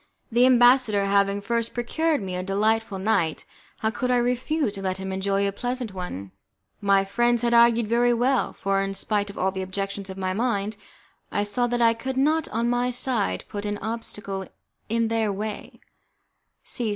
The ambassador having first procured me a delightful night, how could I refuse to let him enjoy as pleasant a one? My friends had argued very well, for, in spite of all the objections of my mind, I saw that I could not on my side put any obstacle in their way.